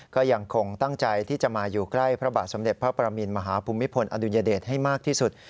ก็ยังคงตั้งใจที่จะมาอยู่ใกล้พระบาทสมเด็จพระประมินมหาภูมิพลอดุญเดชให้มากที่สุด